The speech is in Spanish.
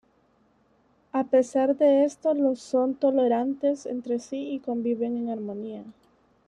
A pesar de esto los son tolerantes entre sí y conviven en armonía.